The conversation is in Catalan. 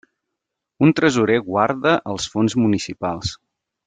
Un tresorer guarda els fons municipals.